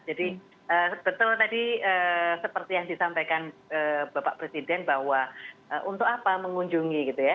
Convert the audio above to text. jadi betul tadi seperti yang disampaikan bapak presiden bahwa untuk apa mengunjungi gitu ya